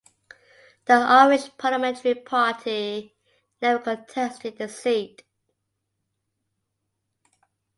The Irish Parliamentary Party never contested the seat.